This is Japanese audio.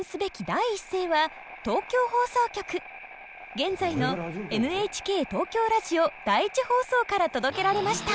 現在のＮＨＫ東京ラジオ第１放送から届けられました。